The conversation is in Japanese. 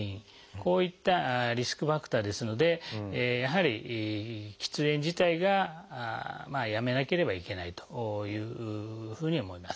こういったリスクファクターですのでやはり喫煙自体がやめなければいけないというふうに思います。